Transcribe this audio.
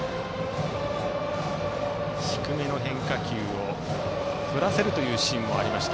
低めの変化球を振らせるというシーンもありました。